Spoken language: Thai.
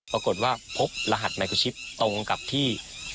ปรากฏว่าพบรหัสไมโครชิปตรงกับที่